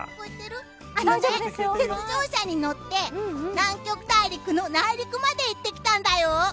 雪上車に乗って、南極大陸の内陸まで行ってきたんだよ。